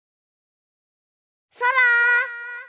そら！